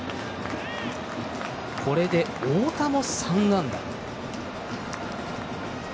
これで太田も３安打。